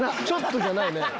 ちょっとじゃないね。